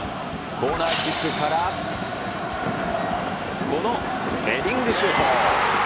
コーナーキックから、このヘディングシュート。